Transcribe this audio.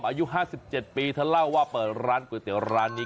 อายุ๕๗ปีเธอเล่าว่าเปิดร้านก๋วยเตี๋ยวร้านนี้